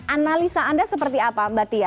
analisa anda seperti apa mbak tia